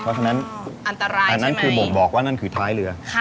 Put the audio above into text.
เพราะฉะนั้นอันตรายอันนั้นคือบ่งบอกว่านั่นคือท้ายเรือ